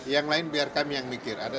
yang lain biar kami yang mikir ada